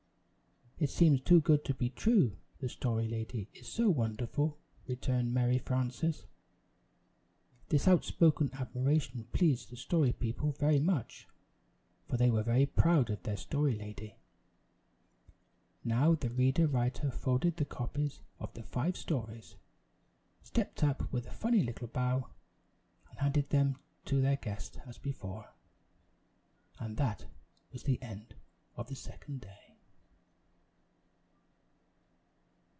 "It seems too good to be true; the Story Lady is so wonderful," returned Mary Frances. This outspoken admiration pleased the Story People very much, for they were very proud of their Story Lady. Now the Ready Writer folded the copies of the five stories; stepped up with a funny little bow and handed them to their guest as before; and that was the end of the Second Day.